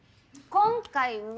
今回は！